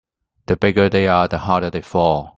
The bigger they are the harder they fall.